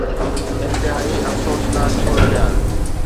انتهائي افسوسناڪ صورتحال